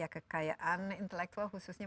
kekayaan intelektual khususnya